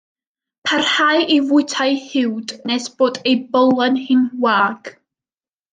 Parhau i fwyta'i huwd nes bod ei bowlen hi'n wag.